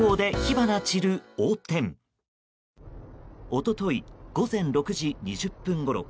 一昨日、午前６時２０分ごろ。